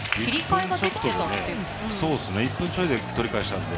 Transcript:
１分ちょいで取り返したんで。